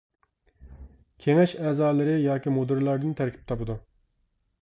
كېڭەش ئەزالىرى ياكى مۇدىرلاردىن تەركىب تاپىدۇ.